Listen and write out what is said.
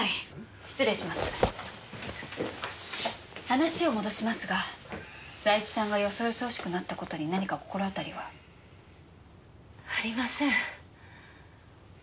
話を戻しますが財津さんがよそよそしくなった事に何か心当たりは？ありません。